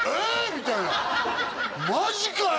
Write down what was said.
みたいな「マジかよ？」